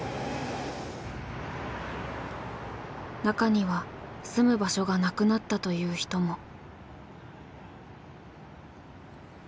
中には住む場所がなくなったという人も。